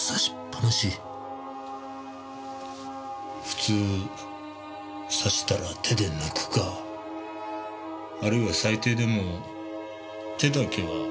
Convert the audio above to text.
普通刺したら手で抜くかあるいは最低でも手だけは放しちまうもんだ。